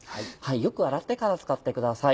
よく洗ってから使ってください。